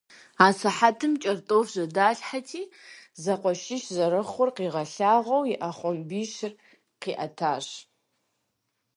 Асыхьэтым кӀэртӀоф жьэдэлъти, зэкъуэшищ зэрыхъур къигъэлъагъуэу, и Ӏэпхъуамбищыр къиӀэтащ.